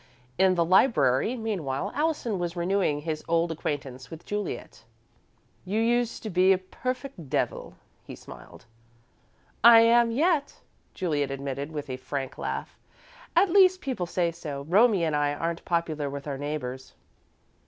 In the library, meanwhile, Allison was renewing his old acquaintance with Juliet. "You used to be a perfect little devil," he smiled. "I am yet," Juliet admitted, with a frank laugh. "At least people say so. Romie and I aren't popular with our neighbours."